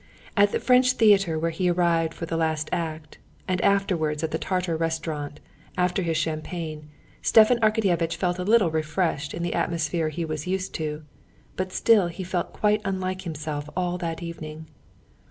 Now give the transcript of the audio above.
At the French theater where he arrived for the last act, and afterwards at the Tatar restaurant after his champagne, Stepan Arkadyevitch felt a little refreshed in the atmosphere he was used to. But still he felt quite unlike himself all that evening.